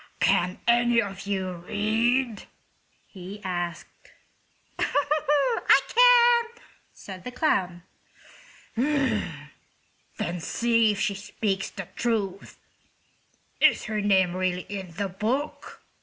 "Can any of you read?" he asked. "I can," said the clown. "Then see if she speaks the truth. Is her name really in the book?"